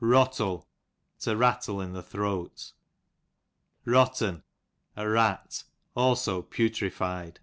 Rotlle, to rattle in the throat. Rott'n, a rat ; aUo pytrified.